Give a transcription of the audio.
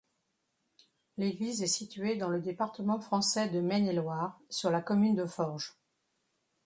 L'église est située dans le département français de Maine-et-Loire, sur la commune de Forges.